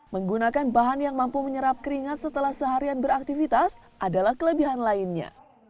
menggunakan bahan yang mampu menyerap keringat setelah seharian beraktivitas adalah kelebihan lainnya